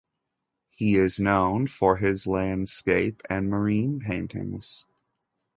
He is known for his landscape and marine paintings.